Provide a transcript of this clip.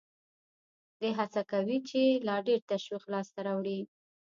دی هڅه کوي چې لا ډېر تشویق لاس ته راوړي